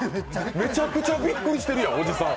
めちゃくちゃびっくりしてるやん、おじさん。